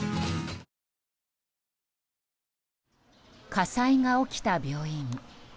火災が起きた病院。